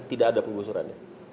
tidak ada pengusuran